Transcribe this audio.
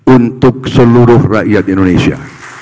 untuk seluruh rakyat indonesia